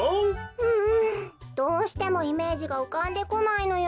うんどうしてもイメージがうかんでこないのよ。